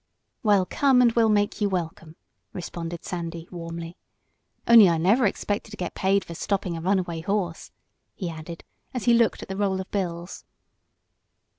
"Well, come and we'll make you welcome," responded Sandy, warmly. "Only I never expected to get paid for stopping a runaway horse," he added as he looked at the roll of bills.